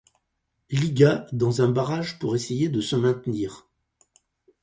Liga dans un barrage pour essayer de se maintenir.